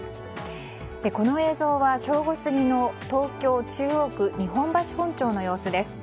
この映像は正午過ぎの東京・中央区日本橋本町の様子です。